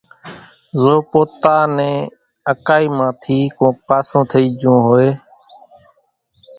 زو پوتا نين اڪائي مان ٿي ڪونڪ پاسون ٿئي جھون ھوئي